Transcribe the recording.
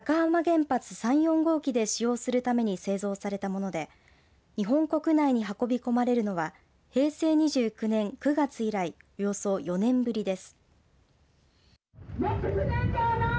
輸送されたＭＯＸ燃料は高浜原発３・４号機で使用するために製造されたもので日本国内に運び込まれるのは平成２９年９月以来およそ４年ぶりです。